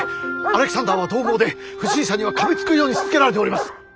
アレキサンダーはどう猛で不審者にはかみつくようにしつけられております。